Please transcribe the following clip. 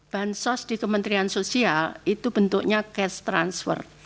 bansos di kementerian sosial itu bentuknya cash transfer